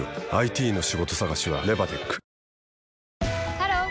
ハロー！